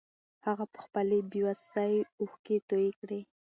هغه په خپلې بې وسۍ اوښکې توې کړې.